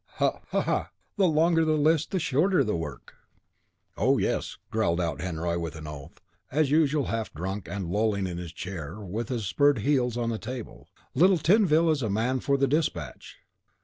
Ha! ha! the longer the list, the shorter the work." "Oh, yes," growled out Henriot, with an oath, as usual, half drunk, and lolling on his chair, with his spurred heels on the table, "little Tinville is the man for despatch."